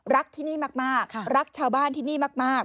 ที่นี่มากรักชาวบ้านที่นี่มาก